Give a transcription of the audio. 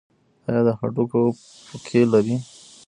ایا د هډوکو پوکي لرئ؟